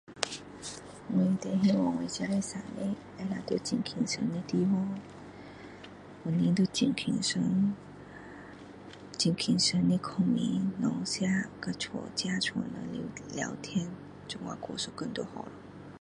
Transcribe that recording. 我最希望我自己的生日能在很轻松的地方，本身都很轻松，很轻松的睡觉，找吃，跟家自己家人聊天，这样过一天就好了